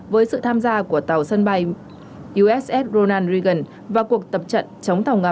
với sự tham gia của tàu sân bay uss ronan reagan và cuộc tập trận chống tàu ngầm